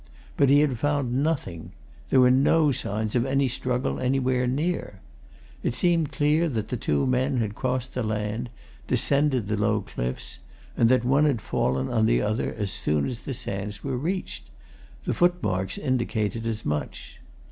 But he had found nothing: there were no signs of any struggle anywhere near. It seemed clear that two men had crossed the land, descended the low cliffs, and that one had fallen on the other as soon as the sands were reached the footmarks indicated as much.